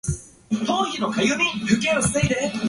めんどい